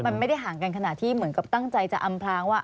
มันไม่ได้ห่างกันขนาดที่เหมือนกับตั้งใจจะอำพลางว่า